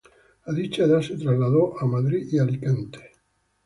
A dicha edad se trasladó a Madrid y Alicante.